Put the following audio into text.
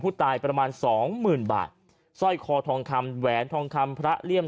ประมาณสองหมื่นบาทสร้อยคอทองคำแหวนทองคำพระเลี่ยม